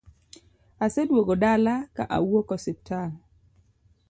Aseduogo dala ka awuok osiptal